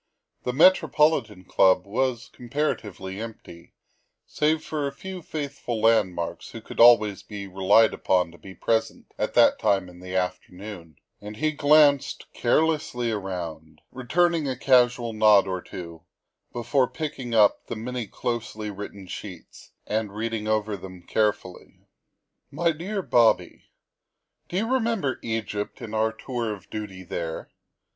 The Metropolitan Club was comparatively empty save for a few faithful landmarks who could always be relied upon to be present at that time in the afternoon, and he glanced carelessly around, returning a casual nod or two, before picking up the many closely written sheets and reading them over carefully. "My DEAR BOBBT: Do you remember Egypt and our tour of duty there?